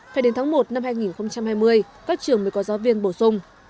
phải đến tháng một năm hai nghìn hai mươi các trường mới có giáo viên bổ sung